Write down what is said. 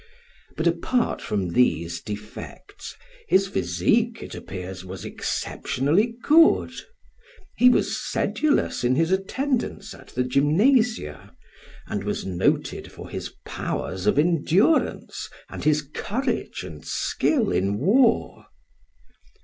But apart from these defects his physique, it appears, was exceptionally good; he was sedulous in his attendance at the gymnasia, and was noted for his powers of endurance and his courage and skill in war.